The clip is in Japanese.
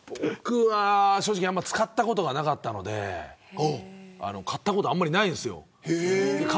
正直あんまり使ったことがなかったので買ったことあんまりないんですよ。